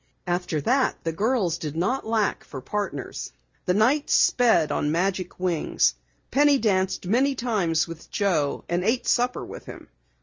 After that the girls did not lack for partners. The night sped on magic wings. Penny danced many times with Joe and ate supper with him.